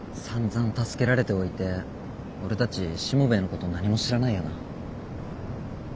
さんざん助けられておいて俺たちしもべえのこと何も知らないよな。